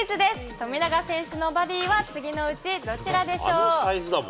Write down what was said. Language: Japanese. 富永選手のバディは、次のうちどちらでしょう。